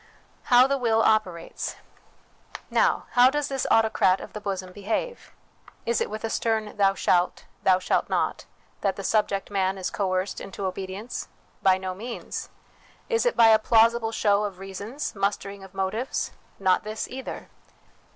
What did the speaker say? How the Will operates. Now, how does this autocrat of the bosom behave? Is it with a stern * Thou shalt/ ' Thou shalt not/ that the subject man is coerced into obedience ? By no means. Is it by a plausible show of reasons, mustering of motives ? Not this either.